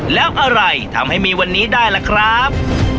แล้วอะไรทำให้มีวันนี้ได้ล่ะครับ